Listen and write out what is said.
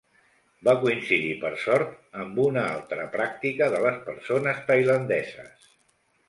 Va coincidir per sort amb una altra pràctica de les persones tailandeses.